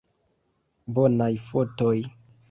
Bonaj fotoj!